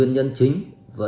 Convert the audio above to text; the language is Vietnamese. à lại lên hả